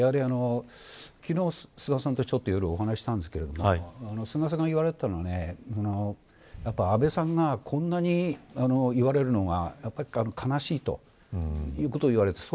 それは菅さんも一緒で昨日、菅さんとちょっと夜、お話したんですけど菅さんが言われていたのは安倍さんがこんなに言われるのはやっぱり悲しいということを言われていた。